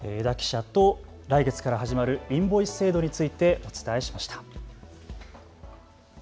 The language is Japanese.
江田記者と来月から始まるインボイス制度についてお伝えしました。